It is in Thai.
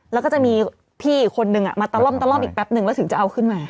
แล้วก็จะมีพี่อีกคนนึงมาตะล่อมตะล่อมอีกแป๊บนึงแล้วถึงจะเอาขึ้นมา